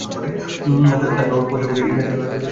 তানঈমে পৌঁছলে উসমান ইবনে তালহার সাথে দেখা হল।